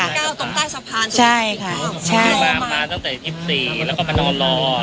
จุดที่เก้าตรงใต้สะพานใช่ค่ะจุดที่เก้าใช่มามาตั้งแต่ยี่สิบสี่แล้วก็มานอนรอ